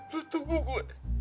lu tunggu gue